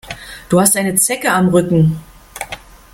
Du hast eine Zecke am Rücken.